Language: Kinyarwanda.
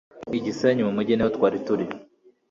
i Gisenyi mu mujyi niho twari turi